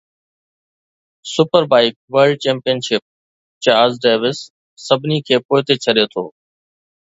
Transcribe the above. super bike world championship Chaz Davies سڀني کي پوئتي ڇڏي ٿو